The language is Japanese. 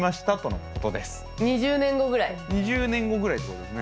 ２０年後ぐらいってことですね。